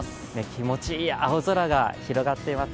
気持ちいい青空が広がっています。